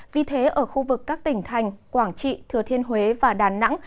vì thế ở khu vực các tỉnh thành quảng trị thừa thiên huế và đà nẵng